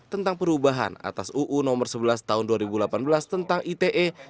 tentang perubahan atas uu nomor sebelas tahun dua ribu delapan belas tentang ite